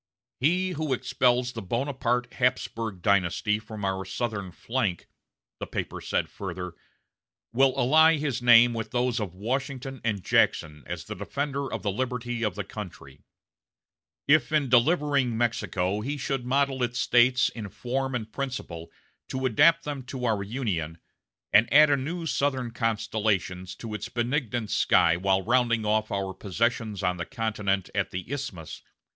'" "He who expels the Bonaparte Hapsburg dynasty from our southern flank," the paper said further, "will ally his name with those of Washington and Jackson as a defender of the liberty of the country. If in delivering Mexico he should model its States in form and principle to adapt them to our Union, and add a new southern constellation to its benignant sky while rounding off our possessions on the continent at the Isthmus